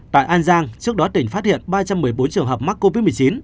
tại an giang trước đó tỉnh phát hiện ba trăm một mươi bốn trường hợp mắc covid một mươi chín